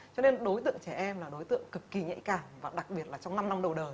cho nên đối tượng trẻ em là đối tượng cực kỳ nhạy cảm và đặc biệt là trong năm năm đầu đời